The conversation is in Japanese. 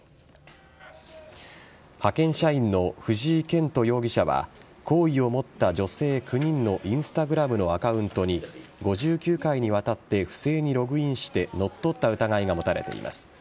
派遣社員の藤井健人容疑者は好意を持った女性９人のＩｎｓｔａｇｒａｍのアカウントに５９回にわたって不正にログインして乗っ取った疑いが持たれています。